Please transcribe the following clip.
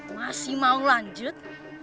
masih mau lanjut